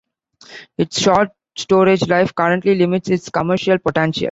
Its short storage life currently limits its commercial potential.